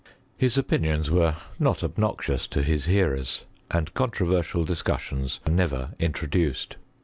His opinions were not obnoxious to his hearers, and controversial discussions were never introduced.